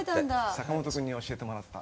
坂本君に教えてもらった。